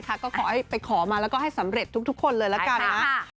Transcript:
ก็ขอไปขอมาแล้วก็ให้สำเร็จทุกคนเลยละกันนะ